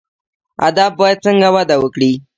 ادب باید څنګه وده وکړي؟